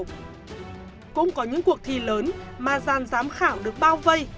cũng có những cuộc thi lớn mà giàn giám khảo được bao vây